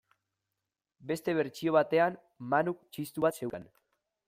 Beste bertsio batean, Manuk txistu bat zeukan.